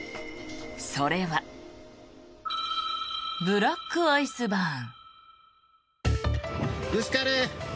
それはブラックアイスバーン。